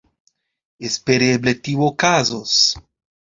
Espereble tio okazos.